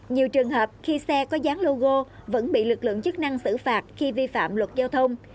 nhiều trường hợp khi xe có dán logo vẫn bị lực lượng chức năng xử phạt khi vi phạm luật giao thông